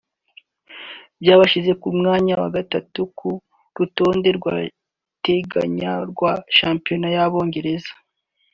byabashyize ku mwanya wa gatatu ku rutonde rw’agateganyo rwa shampiyona y’Abongereza